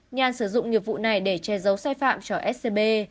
nhàn sử dụng nghiệp vụ này để che dấu sai phạm cho s t b